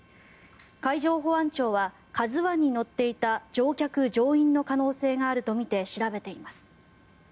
海上保安庁は「ＫＡＺＵ１」に乗っていた乗客・乗員の可能性があるとみて調べています。